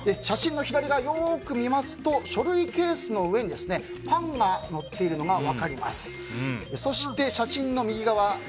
写真の左側よく見ますと書類ケースの上にパンがのっているのが分かります。